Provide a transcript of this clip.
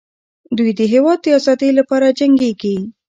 دوی د هېواد د ازادۍ لپاره جنګېږي.